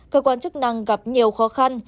cơ quan chức năng gặp nhiều khó khăn